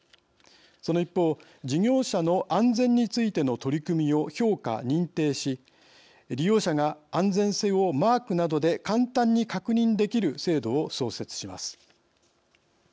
その一方、事業者の安全についての取り組みを評価・認定し利用者が安全性をマークなどで簡単に確認できる制度を創設します。